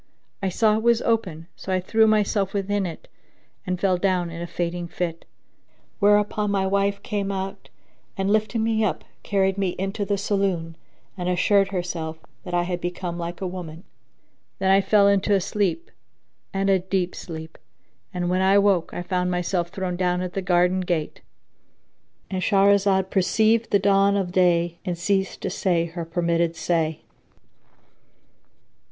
I saw it was open, so I threw myself within it and fell down in a fainting fit; whereupon my wife came out and lifting me up, carried me into the saloon and assured herself that I had become like a woman. Then I fell into a sleep and a deep sleep; and when I awoke, I found myself thrown down at the garden gate,—And Shahrazad perceived the dawn of day and ceased to say her permitted say.